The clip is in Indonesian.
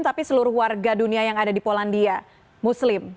tapi seluruh warga dunia yang ada di polandia muslim